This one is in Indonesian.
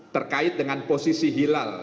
terkait dengan posisi hilal